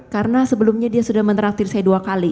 karena sebelumnya dia sudah menraktir saya dua kali